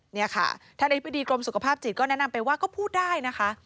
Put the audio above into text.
นี่ค่ะท่านอธิบดีกรมสุขภาพจิตก็แนะนำไปว่าก็พูดได้นะคะ